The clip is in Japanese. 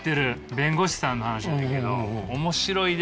弁護士さんの話なんやけど面白いで！